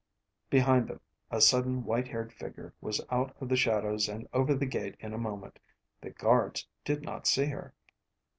Behind them, a sudden white haired figure was out of the shadows and over the gate in a moment. The guards did not see her.